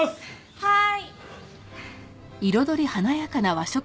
はい。